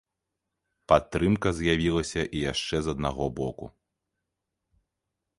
Падтрымка з'явілася і яшчэ з аднаго боку.